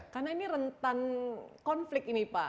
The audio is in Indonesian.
karena ini rentan konflik ini pak